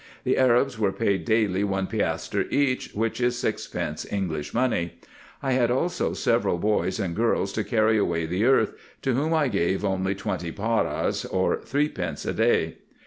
The Arabs were paid daily one piastre each, which is sixpence English money. I had also several boys and girls to carry away the earth, to whom I gave only twenty paras, or three pence, a day.